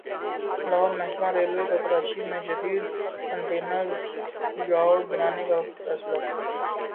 لاہور محکمہ ریلوے کا کراچی میں جدید کنٹینر یارڈ بنانے کا فیصلہ